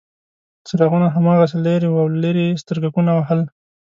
څراغونه هماغسې لرې وو او له لرې یې سترګکونه وهل.